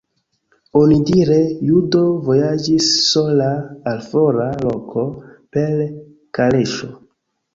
Onidire judo vojaĝis sola al fora loko per kaleŝo.